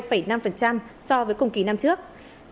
giảm hai mươi hai năm so với cùng kỳ năm trước